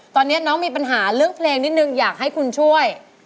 ตอนนี้น้องมีปัญหาเรื่องเพลงนิดนึงอยากให้คุณช่วย